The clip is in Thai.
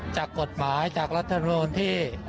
จากกฎหมายจากรัฐธรรมนูลที่